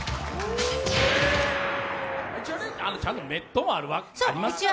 ちゃんとメットもありますから。